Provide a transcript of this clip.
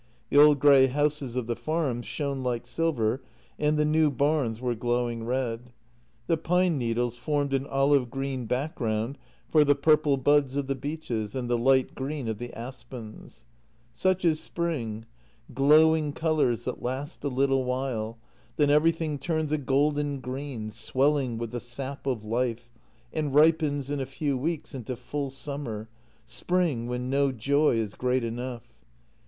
The old grey houses of the farms shone like silver, and the new barns were glowing red. The pine needles formed an olive green background for the purple buds of the beeches and the light green of the aspens. Such is spring: glowing colours that last a little while, then everything turns a golden green, swelling with the sap of life, and ripens in a few weeks into full summer — spring, when no joy is great enough.